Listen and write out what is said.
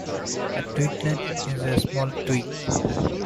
A twiglet is a small twig.